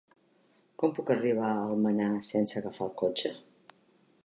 Com puc arribar a Almenar sense agafar el cotxe?